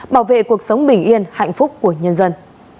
bảo vệ cuộc sống bình yên hạnh phúc của nhân dân